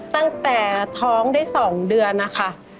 ตั้งแต่ท้องได้๒เดือนนะคะ